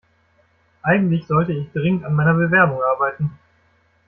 Eigentlich sollte ich dringend an meiner Bewerbung arbeiten.